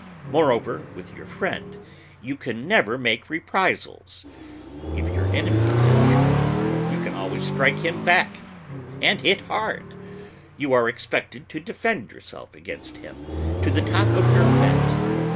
Moreover, with your friend you can never make reprisals. If your enemy attacks you, you can always strike back and hit hard. You are expected to defend yourself against him to the top of your bent.